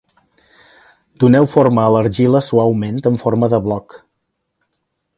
Doneu forma a l'argila suaument en forma de bloc.